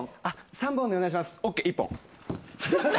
「『３本でお願いします』ＯＫ１本」